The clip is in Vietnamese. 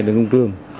để công ty